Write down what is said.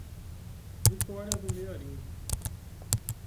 Vitória do Mearim